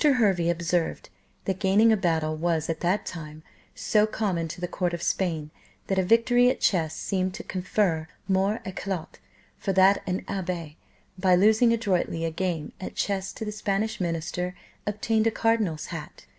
Hervey observed, that gaining a battle was, at that time, so common to the court of Spain, that a victory at chess seemed to confer more éclat; for that an abbé, by losing adroitly a game at chess to the Spanish minister, obtained a cardinal's hat.